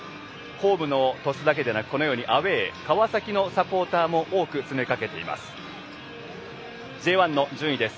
ホームの鳥栖だけでなくこのようにアウェーの川崎のサポーターも多く詰めかけています。